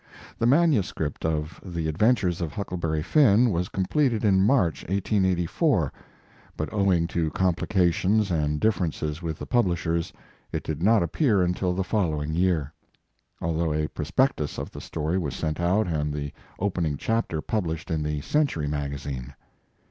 The manuscript of the Adventures of Huckleberry Finn" was completed in March, 1884, but owing to complications and differences with the publishers, it did not appear until the following year, although a prospectus of the story was sent out, and the opening chapter published in the Century maga zine.